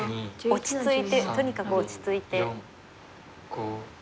落ち着いてとにかく落ち着いて。